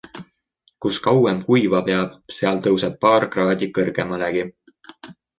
Kus kauem kuiva peab, seal tõuseb paar kraadi kõrgemalegi.